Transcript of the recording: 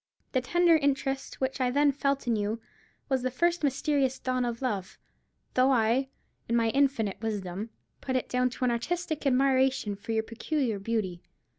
The tender interest which I then felt in you was the first mysterious dawn of love, though I, in my infinite wisdom, put it down to an artistic admiration for your peculiar beauty.